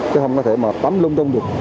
chứ không có thể mà tắm lung tung được